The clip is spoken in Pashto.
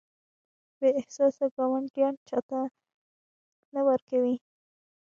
بې احساسه ګاونډیان چاته نه ورکوي.